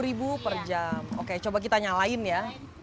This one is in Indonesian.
lima puluh ribu per jam oke coba kita nyalain ya